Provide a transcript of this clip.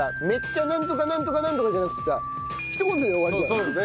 めっちゃなんとかなんとかなんとかじゃなくてさひと言で終わるじゃん。